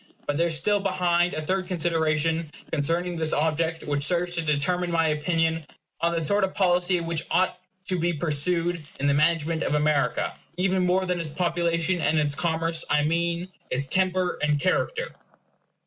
But there is still behind a third consideration concerning this object which serves to determine my opinion on the sort of policy which ought to be pursued in the management of America, even more than its population and its commerce I mean its temper and character.